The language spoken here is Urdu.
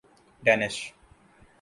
ڈینش